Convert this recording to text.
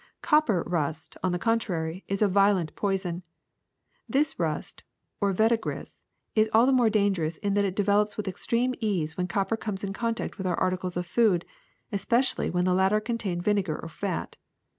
^^Copper rust, on the contrary, is a violent poison. This rust, or verdigris, is all the more dangerous in that it develops with extreme ease when copper comes in contact with our articles of food, especially when the latter contain vinegar or fat.